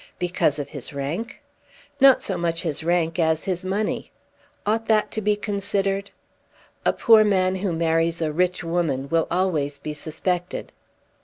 "Because of his rank?" "Not so much his rank as his money." "Ought that to be considered?" "A poor man who marries a rich woman will always be suspected."